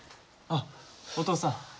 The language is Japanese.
あっお父さん。